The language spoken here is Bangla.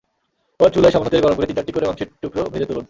এবার চুলায় সামান্য তেল গরম করে তিন-চারটি করে মাংসের টুকরা ভেজে তুলুন।